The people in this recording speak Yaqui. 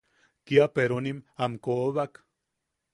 Kia peronim am koobak.